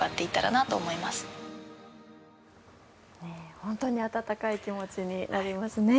本当に温かい気持ちになりますね。